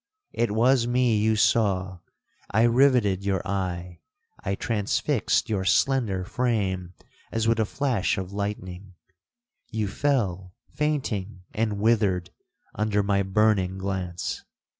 It was me you saw—I rivetted your eye—I transfixed your slender frame as with a flash of lightning—you fell fainting and withered under my burning glance.